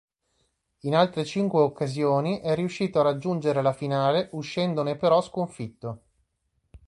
In altre cinque occasioni è riuscito a raggiungere la finale uscendone però sconfitto.